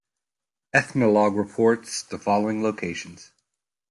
"Ethnologue" reports the following locations.